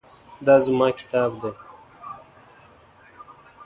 دا زما کتاب دی